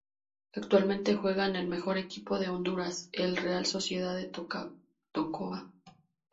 Actualmente juega en el mejor equipo de Honduras, el Real Sociedad de Tocoa.